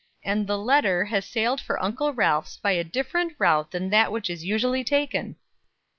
And the letter has sailed for Uncle Ralph's by a different route than that which is usually taken."